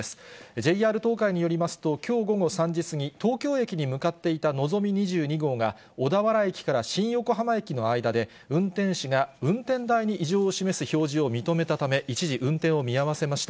ＪＲ東海によりますと、きょう午後３時過ぎ、東京駅に向かっていたのぞみ２２号が、小田原駅から新横浜駅の間で、運転士が運転台に異常を示す表示を認めたため、一時、運転を見合わせました。